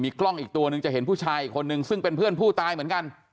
กล้องอีกตัวหนึ่งจะเห็นผู้ชายอีกคนนึงซึ่งเป็นเพื่อนผู้ตายเหมือนกัน